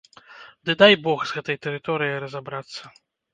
Ды дай бог з гэтай тэрыторыяй разабрацца!